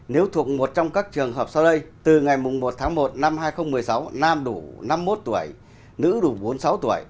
nếu thuộc một trong các trường hợp sau đây từ ngày một tháng một năm hai nghìn một mươi sáu nam đủ năm mươi một tuổi nữ đủ bốn mươi sáu tuổi